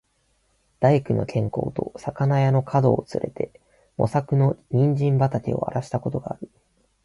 大工の兼公と肴屋の角をつれて、茂作の人参畠をあらした事がある。